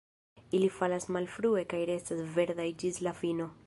Ili falas malfrue kaj restas verdaj ĝis la fino.